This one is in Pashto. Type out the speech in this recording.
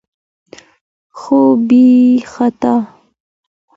خو بې خطا